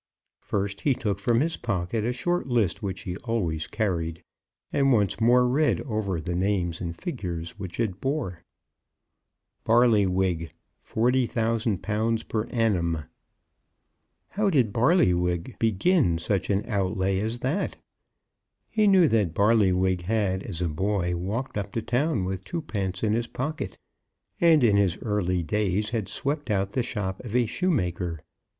First he took from his pocket a short list which he always carried, and once more read over the names and figures which it bore. Barlywig, £40,000 per annum. How did Barlywig begin such an outlay as that? He knew that Barlywig had, as a boy, walked up to town with twopence in his pocket, and in his early days, had swept out the shop of a shoemaker.